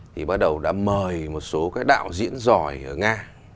thì bắt đầu đã mời một số cái đạo diễn giỏi ở nga